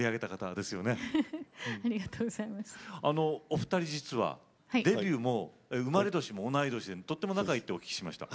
お二人実はデビューも生まれ年も同い年でとても仲がいいとお聞きしました。